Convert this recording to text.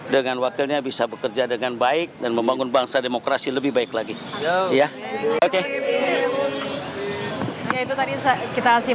dengan wakilnya bisa bekerja dengan baik dan membangun bangsa demokrasi lebih baik lagi